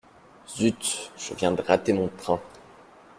Zut, je viens de rater mon train.